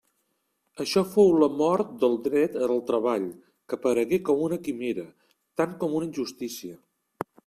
Això fou la mort del dret al treball, que aparegué com una quimera, tant com una injustícia.